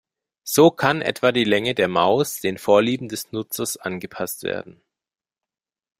So kann etwa die Länge der Maus den Vorlieben des Nutzers angepasst werden.